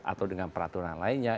atau dengan peraturan lainnya